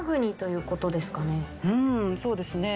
うんそうですね。